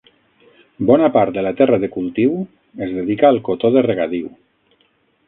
Bona part de la terra de cultiu es dedica al cotó de regadiu.